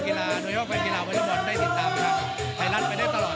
ขายรัฐไปได้ตลอดนะครับ